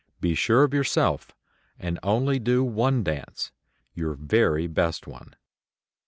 Be sure of yourself, and only do one dance, your very best one.